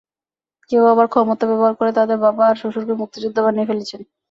কেউ আবার ক্ষমতা ব্যবহার করে তাঁদের বাবা আর শ্বশুরকে মুক্তিযোদ্ধা বানিয়ে ফেলেছেন।